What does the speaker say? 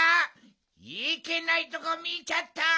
いけないとこみちゃった！